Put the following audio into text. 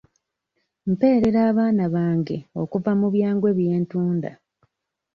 Mpeerera abaana bange okuva mu byangwe bye ntunda.